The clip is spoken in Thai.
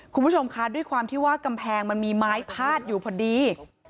คุณผู้ชมคะด้วยความที่ว่ากำแพงมันมีไม้พาดอยู่พอดี